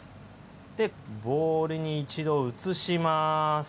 でボウルに一度移します。